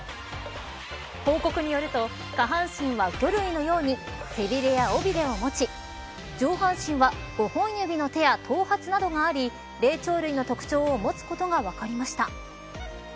報告によると下半身は魚類のように背びれや尾びれを持ち上半身は５本指の手や頭髪などがあり霊長類の特徴を持つことが分かりました。